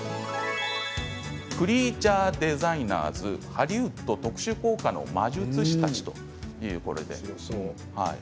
「クリーチャー・デザイナーズハリウッド特殊効果の魔術師たち」です。